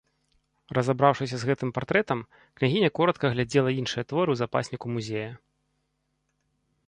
Разабраўшыся з гэтым партрэтам, княгіня коратка агледзела іншыя творы ў запасніку музея.